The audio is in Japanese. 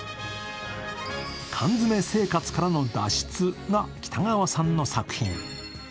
「缶詰生活からの脱出」が北川さんの作品。